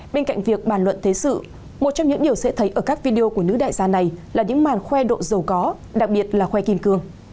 bên cạnh việc bàn luận thế sự một trong những điều sẽ thấy ở các video của nữ đại gia này là những màn khoe độ giàu có đặc biệt là khoe kim cương